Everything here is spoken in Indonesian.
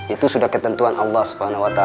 itu sudah ketentuan allah swt